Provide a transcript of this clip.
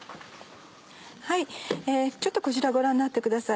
ちょっとこちらご覧になってください。